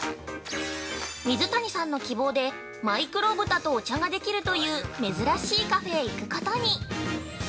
◆水谷さんの希望でマイクロ豚とお茶ができるという珍しいカフェへ行くことに。